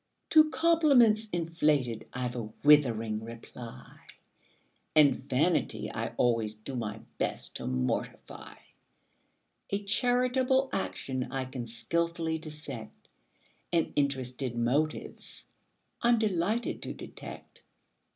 To compliments inflated I've a withering reply; And vanity I always do my best to mortify; A charitable action I can skilfully dissect: And interested motives I'm delighted to detect.